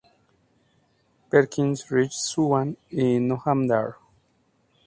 Perkins, Rich Swann y Noam Dar.